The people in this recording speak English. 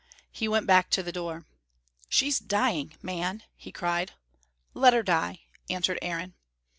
He went back to the door. "She's dying, man!" he cried. "Let her die!" answered Aaron.